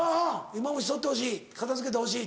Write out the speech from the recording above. イモムシ取ってほしい片付けてほしい。